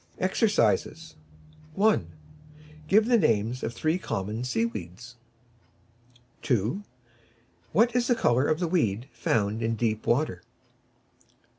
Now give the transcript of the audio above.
EXERCISES 1. Give the names of three common Sea weeds. 2. What is the colour of the weed found in deep water?